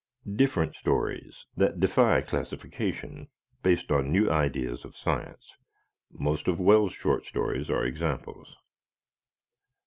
"Different stories," that defy classification, based on new ideas of science most of Wells' short stories are examples.